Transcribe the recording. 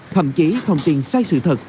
thậm chí thông tin sai sự thật